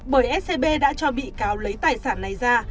bởi scb đã cho bị cáo lấy tài sản này ra